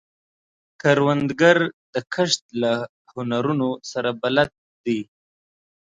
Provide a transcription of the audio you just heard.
کروندګر د کښت له هنرونو سره بلد دی